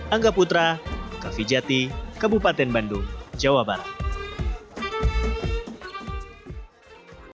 angga putra kak fijati kabupaten bandung jawa barat